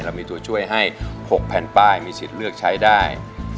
เรามีตัวช่วยให้๖แผ่นป้ายมีสิทธิ์เลือกใช้ได้